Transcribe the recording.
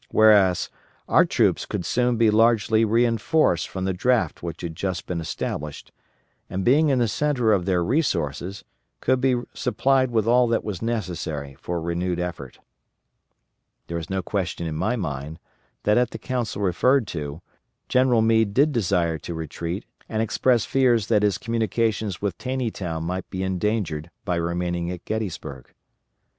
Whereas our troops could soon be largely reinforced from the draft which had just been established, and, being in the centre of their resources, could be supplied with all that was necessary for renewed effort. There is no question in my mind that, at the council referred to, General Meade did desire to retreat, and expressed fears that his communications with Taneytown might be endangered by remaining at Gettysburg.